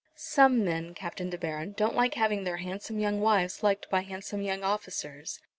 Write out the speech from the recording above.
"Some men, Captain De Baron, don't like having their handsome young wives liked by handsome young officers.